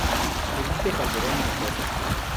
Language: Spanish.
Felipe Calderón Hinojosa.